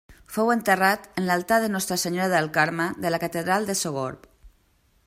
Fou enterrat en l'altar de la Nostra Senyora del Carme de la Catedral de Sogorb.